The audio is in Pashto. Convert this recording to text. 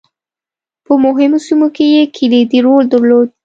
په مهمو سیمو کې یې کلیدي رول درلود.